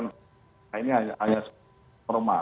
nah ini hanya sebuah trauma